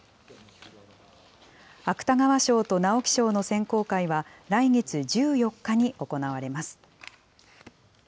芥川賞と直木賞の選考会は、来月１４日に行われます。